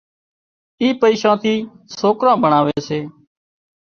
اي پئيشان ٿي سوڪران ڀڻاوي سي